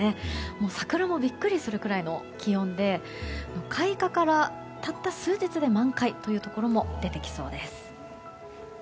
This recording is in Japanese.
もう桜もびっくりするくらいの気温で開花からたった数日で満開というところも出てきそうです。